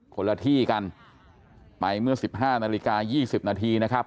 คนละที่กันไปเมื่อ๑๕นาฬิกา๒๐นาทีนะครับ